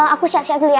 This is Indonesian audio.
aku siap siap dulu ya